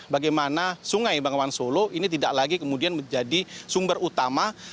bagaimana sungai bangawan solo ini tidak lagi kemudian menjadi sumber utama